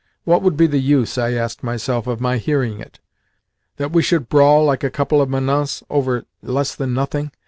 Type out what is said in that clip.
What would be the use, I asked myself, of my hearing it? That we should brawl like a couple of manants over less than nothing?